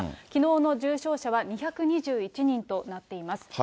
きのうの重症者は２２１人となっています。